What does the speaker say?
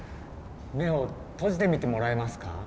目を閉じてみてもらえますか？